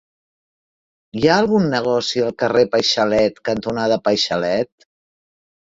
Hi ha algun negoci al carrer Paixalet cantonada Paixalet?